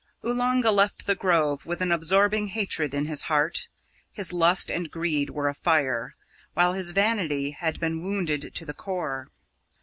Oolanga left the Grove with an absorbing hatred in his heart. His lust and greed were afire, while his vanity had been wounded to the core.